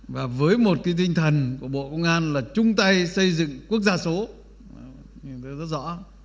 và với một cái tinh thần của bộ công an là chung tay xây dựng quốc gia số